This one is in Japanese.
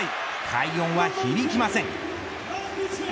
快音は響きません。